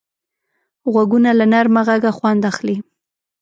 غوږونه له نرمه غږه خوند اخلي